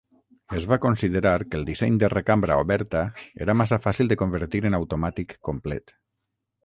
Es va considerar que el disseny de recambra oberta era massa fàcil de convertir en automàtic complet.